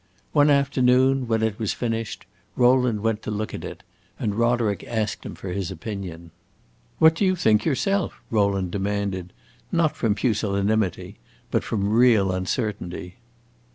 One afternoon, when it was finished, Rowland went to look at it, and Roderick asked him for his opinion. "What do you think yourself?" Rowland demanded, not from pusillanimity, but from real uncertainty.